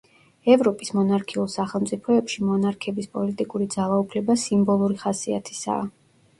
ევროპის მონარქიულ სახელმწიფოებში მონარქების პოლიტიკური ძალაუფლება სიმბოლური ხასიათისაა.